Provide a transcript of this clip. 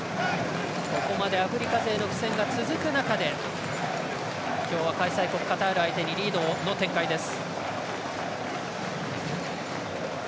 ここまでアフリカ勢の苦戦が続く中で今日は開催国カタール相手にリードの展開です。